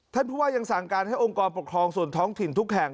ท่านผู้ว่ายังสั่งการให้องค์กรปกครองส่วนท้องถิ่นทุกแห่ง